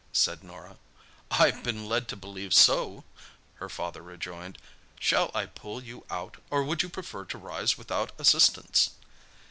said Norah. "I've been led to believe so," her father rejoined. "Shall I pull you out, or would you prefer to rise without assistance?"